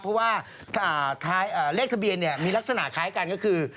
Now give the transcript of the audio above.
เพราะว่าเลขทะเบียนมีลักษณะคล้ายกันก็คือ